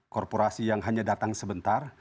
korporasi yang hanya datang sebentar